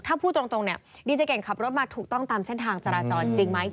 ถ้าพูดตรงเนี่ยดีเจเก่งขับรถมาถูกต้องตามเส้นทางจราจรจริงไหม